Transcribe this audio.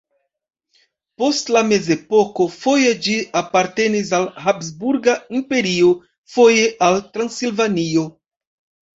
Post la mezepoko foje ĝi apartenis al Habsburga Imperio, foje al Transilvanio.